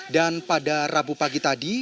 dan pada rabu pagi tadi